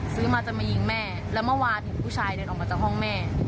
ซื้อมาจะมายิงแม่แล้วเมื่อวานเห็นผู้ชายเดินออกมาจากห้องแม่